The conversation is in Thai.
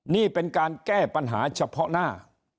นี่เป็นการแก้ปัญหาเฉพาะหน้า